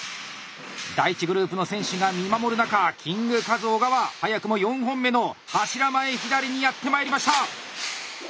⁉第１グループの選手が見守る中キングカズ小川早くも４本目の柱前左にやってまいりました。